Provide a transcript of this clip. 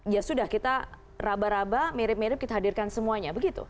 ya sudah kita raba raba mirip mirip kita hadirkan semuanya begitu